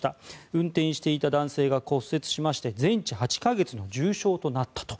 運転していた男性が骨折しまして全治８か月の重傷となったと。